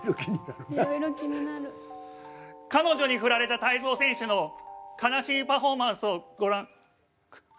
彼女にフラれた体操選手の悲しいパフォーマンスをご覧く。